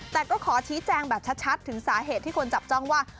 แต่ก็ขอชี้แจงแบบชัดถึงสาเหตุที่คนจับจ้องว่า